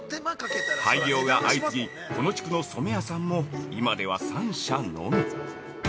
廃業が相次ぎ、この地区の染屋さんも今では３社のみ。